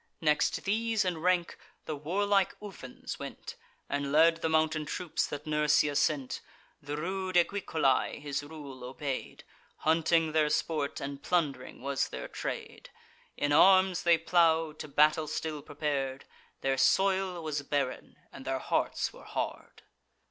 Next these in rank, the warlike Ufens went, And led the mountain troops that Nursia sent. The rude Equicolae his rule obey'd; Hunting their sport, and plund'ring was their trade. In arms they plow'd, to battle still prepar'd: Their soil was barren, and their hearts were hard.